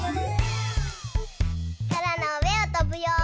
そらのうえをとぶよ！